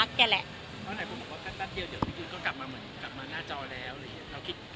เมื่อไหนผมบอกว่าแป๊บเดียวเดี๋ยวนิดนึงก็กลับมาเหมือนกลับมาหน้าจอแล้วหรืออย่างเงี้ย